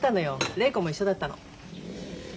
礼子も一緒だったの。